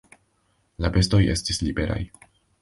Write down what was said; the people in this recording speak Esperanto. La bestoj estis liberaj.